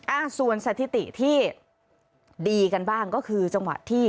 อ่าส่วนสถิติที่ดีกันบ้างก็คือจังหวะที่